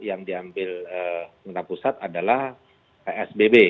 yang diambil pemerintah pusat adalah psbb